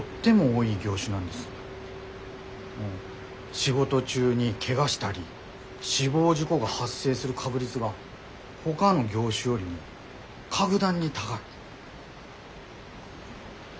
仕事中にけがしたり死亡事故が発生する確率がほがの業種よりも格段に高い。